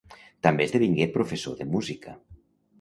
També esdevingué professor de música.